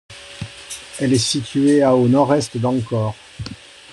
Elle est située à au nord-est d'Angkor.